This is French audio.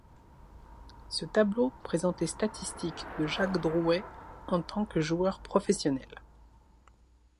Ce tableau présente les statistiques de Jacques Drouet en tant que joueur professionnel.